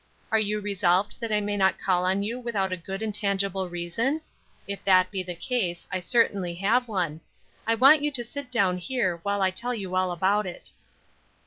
"Are you resolved that I may not call on you without a good and tangible reason? If that be the case, I certainly have one. I want you to sit down here, while I tell you all about it."